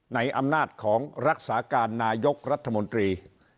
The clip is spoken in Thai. ในอำนาจของรักษาการนายกรัฐมนตรี